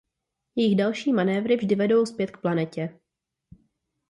Jejich další manévry vždy vedou zpět k planetě.